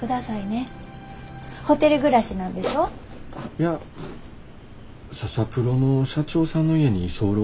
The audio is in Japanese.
いやササプロの社長さんの家に居候。